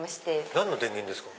何の電源ですか？